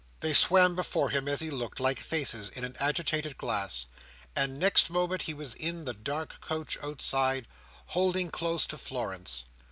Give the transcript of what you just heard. They swam before him as he looked, like faces in an agitated glass; and next moment he was in the dark coach outside, holding close to Florence.